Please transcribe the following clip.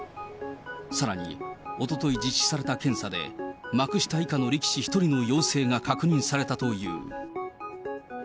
さらにおととい実施された検査で、幕下以下の力士１人の陽性が確認されたという。